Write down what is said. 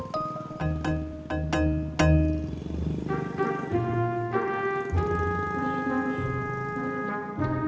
kalau belum apa